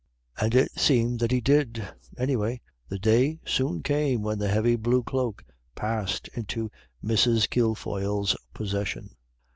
And it seemed that He did; anyway, the day soon came when the heavy blue cloak passed into Mrs. Kilfoyle's possession.